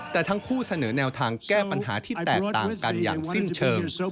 แต่ทั้งคู่เสนอแนวทางแก้ปัญหาที่แตกต่างกันอย่างสิ้นเชิง